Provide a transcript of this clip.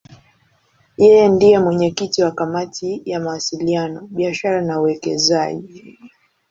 Yeye ndiye mwenyekiti wa Kamati ya Mawasiliano, Biashara na Uwekezaji.